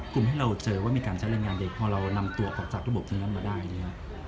ให้เราเจอว่ามีการใช้แรงงานเด็กพอเรานำตัวออกจากระบบตรงนั้นมาได้เนี่ย